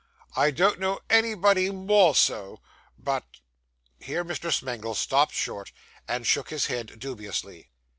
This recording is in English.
I don't know anybody more so; but ' Here Mr. Smangle stopped short, and shook his head dubiously.